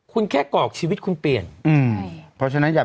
คุณแค่กรอกชีวิตคุณเปลี่ยนอืมเพราะฉะนั้นอยาก